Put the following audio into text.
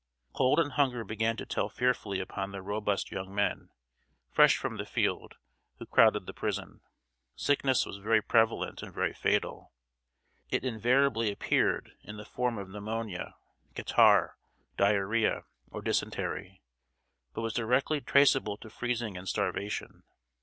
Cold and hunger began to tell fearfully upon the robust young men, fresh from the field, who crowded the prison. Sickness was very prevalent and very fatal. It invariably appeared in the form of pneumonia, catarrh, diarrh[oe]a, or dysentery; but was directly traceable to freezing and starvation.